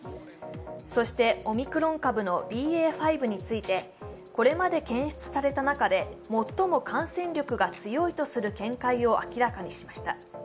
そしてオミクロン株のＢＡ．５についてこれまで検出された中で最も感染力が高いとする見解を明らかにしました。